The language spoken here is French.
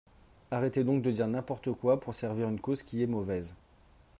Arrêtez donc de dire n’importe quoi pour servir une cause qui est mauvaise.